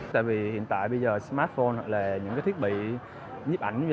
tại vì hiện tại bây giờ smartphone hoặc là những thiết bị nhíp ảnh